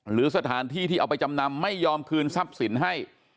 หรือสถานที่ที่เอาไปจำนำไม่ยอมคืนทรัพย์สินให้